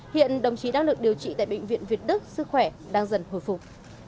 hiện đồng chí đang được điều trị tại bệnh viện việt đức sức khỏe đang dần hồi phục